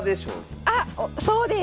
あっそうです！